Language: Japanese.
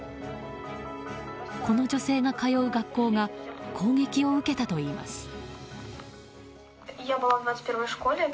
この女性が通う学校が攻撃を受けたといいます。